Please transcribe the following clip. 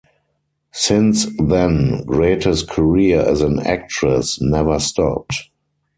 Since then Grete's career as an actress never stopped.